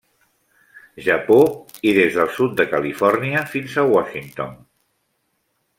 Japó i des del sud de Califòrnia fins a Washington.